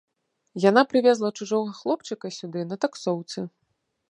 Яна прывезла чужога хлопчыка сюды на таксоўцы.